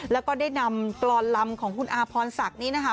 แล้วก็ได้นำกรอนลำของคุณอาพรศักดิ์นี้นะคะ